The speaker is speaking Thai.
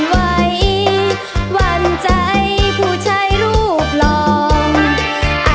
แม่หรือพี่จ๋าบอกว่าจะมาขอมัน